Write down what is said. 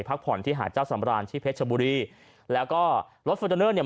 พักผ่อนที่หาดเจ้าสำราญที่เพชรชบุรีแล้วก็รถฟอร์จูเนอร์เนี่ย